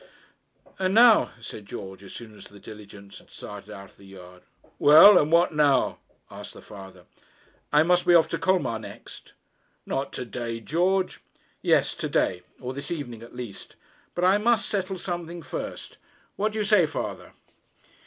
'And now,' said George, as soon as the diligence had started out of the yard. 'Well; and what now?' asked the father. 'I must be off to Colmar next.' 'Not to day, George.' 'Yes; to day; or this evening at least. But I must settle something first. What do you say, father?'